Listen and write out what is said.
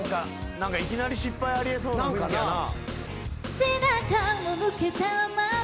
何かいきなり失敗あり得そうな雰囲気やな。